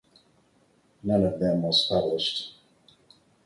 None of them was published.